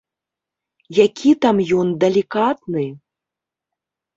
Які там ён далікатны!